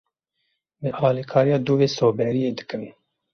Bi alikariya dûvê soberiyê dikim.